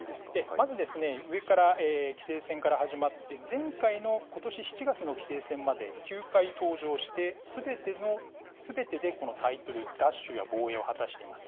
まず、上から棋聖戦が始まって、前回のことし７月の棋聖戦まで９回登場して、すべてでこのタイトル奪取や防衛を果たしています。